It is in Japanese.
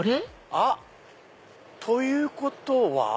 あっということは。